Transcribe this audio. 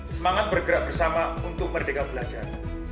semangat bergerak bersama untuk merdeka belajar